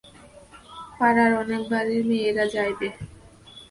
পাড়ার অনেক বাড়ির মেয়েরা যাইবে।